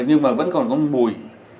nhưng mà vẫn còn có mùi